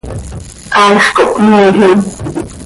Haaix cohpmiijim.